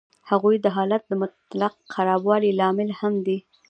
هغوی د حالت د مطلق خرابوالي لامل هم دي